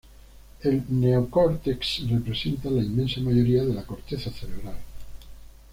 El neocórtex representa la inmensa mayoría de la corteza cerebral.